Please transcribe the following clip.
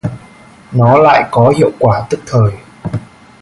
Nó lại có hiệu quả tức thời